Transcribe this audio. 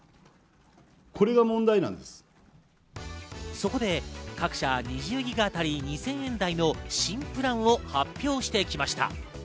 そこで各社２０ギガあたり２０００円台の新プランを発表してきました。